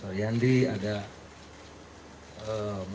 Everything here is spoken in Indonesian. ada saudara yaya ada saudara yaya